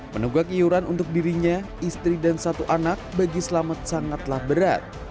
menunggak iuran untuk dirinya istri dan satu anak bagi selamet sangatlah berat